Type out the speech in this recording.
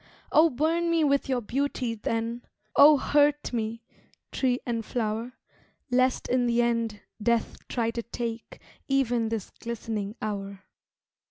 Oh burn me with your beauty, then, Oh hurt me, tree and flower, Lest in the end death try to take Even this glistening hour.